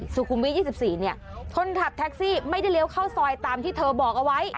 สุขุมวิท๒๔เนี่ยคนขับแท็กซี่ไม่ได้เลี้ยวเข้าซอยตามที่เธอบอกเอาไว้